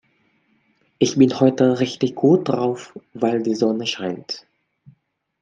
Ich bin heute richtig gut drauf, weil die Sonne scheint!